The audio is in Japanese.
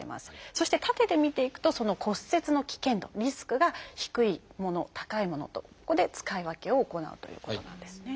そして縦で見ていくとその骨折の危険度リスクが低いもの高いものとここで使い分けを行うということなんですね。